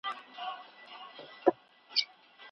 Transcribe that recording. د ژوند خوښي یوازي په فکري ذکاوت پوري نه تړل کېږي.